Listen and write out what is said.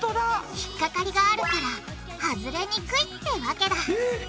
引っ掛かりがあるから外れにくいってわけだえっ！